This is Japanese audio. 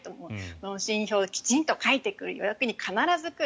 問診票をきちんと書いてくる予約をきちんと取る。